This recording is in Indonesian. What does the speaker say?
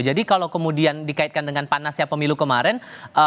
jadi kalau kemudian dikaitkan dengan panasnya pemilu kemarin